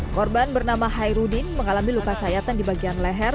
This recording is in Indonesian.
korban bernama hairudin mengalami luka sayatan di bagian leher